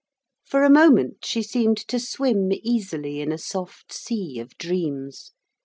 For a moment she seemed to swim easily in a soft sea of dreams.